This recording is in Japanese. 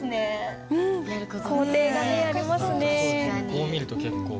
こう見ると結構。